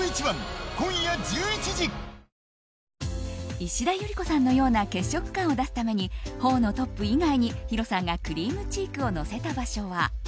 石田ゆり子さんのような血色感を出すために頬のトップ以外にヒロさんがクリームチークをのせた場所は。